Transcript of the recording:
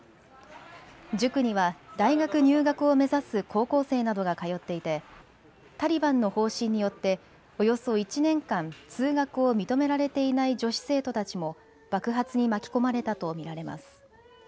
塾には大学入学を目指す高校生などが通っていてタリバンの方針によっておよそ１年間、通学を認められていない女子生徒たちも爆発に巻き込まれたと見られます。